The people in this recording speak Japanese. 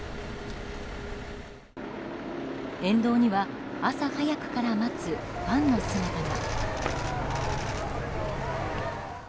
沿道には、朝早くから待つファンの姿が。